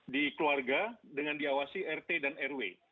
di keluarga dengan diawasi rt dan rw